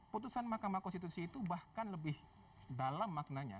putusan mahkamah konstitusi itu bahkan lebih dalam maknanya